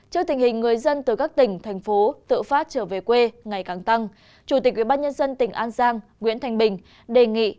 trước tình hình người dân từ các tỉnh thành phố tự phát trở về quê ngày càng tăng chủ tịch ubnd tỉnh an giang nguyễn thanh bình đề nghị